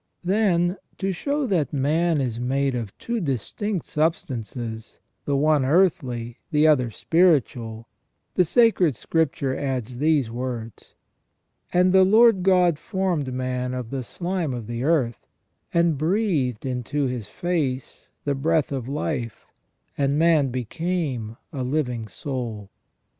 Then to show that man is made of two distinct substances, the one earthly, the other spiritual, the sacred Scripture adds these words :" And the Lord God formed man of the slime of the earth, and breathed into his face the breath of life, and man became a living soul